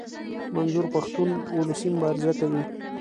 منظور پښتون اولسي مبارزه کوي.